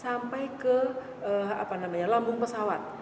sampai ke lambung pesawat